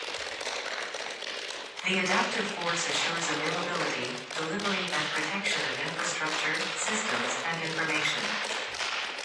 The adaptive force assures availability, delivery and protection of infrastructure, systems, and information.